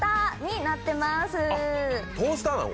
トースターなの？